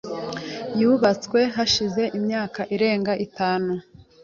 Yubatswe hashize imyaka irenga itanu.